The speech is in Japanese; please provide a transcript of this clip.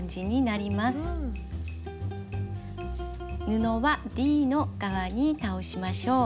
布はｄの側に倒しましょう。